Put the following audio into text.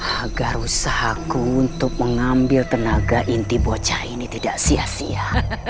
agar usahaku untuk mengambil tenaga inti bocah ini tidak sia sia